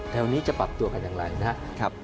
แถวนี้จะปรับตัวกันอย่างไรนะครับ